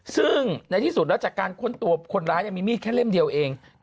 ซึ่งในที่สุดรัฐกาลคนตัวคนร้ายยังมีมีดแค่เล่มเดียวเอง